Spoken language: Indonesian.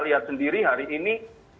lihat sendiri hari ini